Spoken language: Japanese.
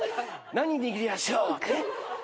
何握りやしょう？